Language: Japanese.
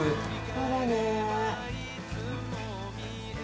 そうだね。